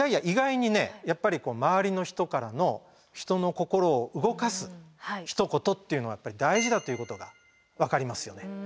意外にねやっぱり周りの人からの人の心を動かすひと言っていうのがやっぱり大事だっていうことが分かりますよね。